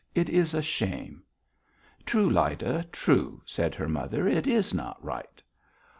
It is a shame." "True, Lyda, true," said her mother. "It is not right."